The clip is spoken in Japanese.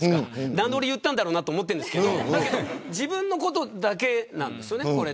何で俺言ったんだろうなと思っているんですけど自分のことだけですよね。